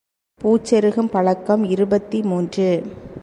பூச் செருகும் பழக்கம் இருபத்து மூன்று.